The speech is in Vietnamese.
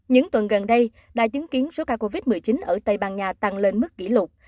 những tuần gần đây đã chứng kiến số ca covid một mươi chín ở tây ban nha tăng lên mức kỷ lục